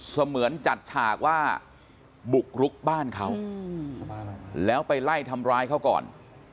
เหมือนจัดฉากว่าบุกรุกบ้านเขาแล้วไปไล่ทำร้ายเขาก่อน